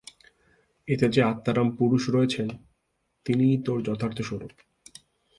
এতে যে আত্মারাম পুরুষ রয়েছেন, তিনিই তোর যথার্থ স্বরূপ।